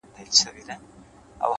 سکوت کله ناکله تر خبرو قوي وي,